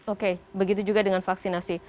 oke begitu juga dengan vaksinasi